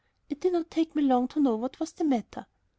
It did not take me long to know what was the matter.